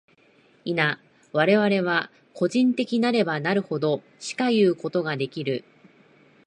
否、我々は個人的なればなるほど、しかいうことができる。